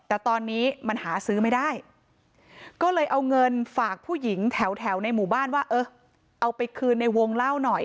แต่ตอนนี้มันหาซื้อไม่ได้ก็เลยเอาเงินฝากผู้หญิงแถวในหมู่บ้านว่าเออเอาไปคืนในวงเล่าหน่อย